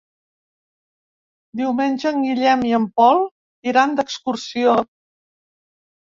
Diumenge en Guillem i en Pol iran d'excursió.